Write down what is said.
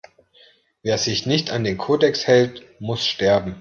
Wer sich nicht an den Kodex hält, muss sterben!